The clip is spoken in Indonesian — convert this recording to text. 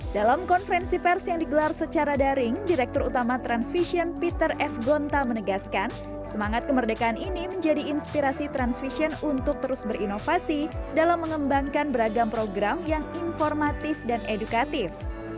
dalam konferensi pers yang digelar secara daring direktur utama transvision peter f gonta menegaskan semangat kemerdekaan ini menjadi inspirasi transvision untuk terus berinovasi dalam mengembangkan beragam program yang informatif dan edukatif